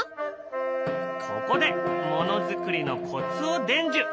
ここでものづくりのコツを伝授！